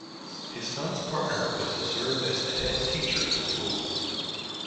His son's partner was to serve as the head teacher of the school.